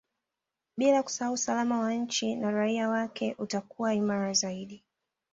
Bila kusahau usalama wa nchi na raia wake utakuwa imara zaidi